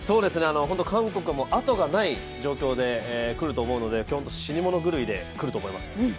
韓国も後がない状況でくると思うので死に物狂いでくると思います。